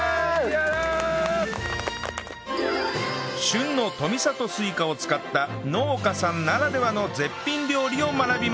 旬の富里スイカを使った農家さんならではの絶品料理を学びます